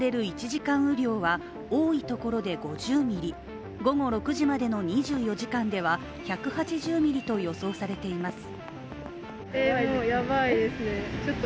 １時間雨量は多い所で５０ミリ、午後６時までの２４時間では１８０ミリと予想されています。